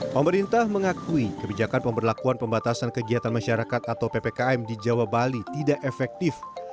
pemerintah mengakui kebijakan pemberlakuan pembatasan kegiatan masyarakat atau ppkm di jawa bali tidak efektif